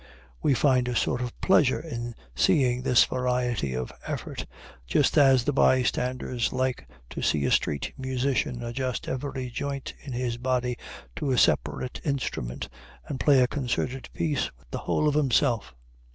We find a sort of pleasure in seeing this variety of effort, just as the bystanders like to see a street musician adjust every joint in his body to a separate instrument, and play a concerted piece with the whole of himself.